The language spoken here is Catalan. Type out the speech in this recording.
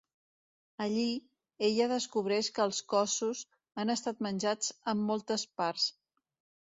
Allí, ella descobreix que els cossos han estat menjats en moltes parts.